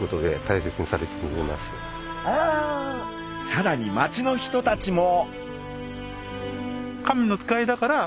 さらに町の人たちも。